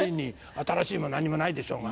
新しいも何もないでしょうが。